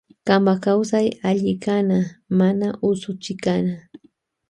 Kanpa kawsay alli kana mana usuchikana.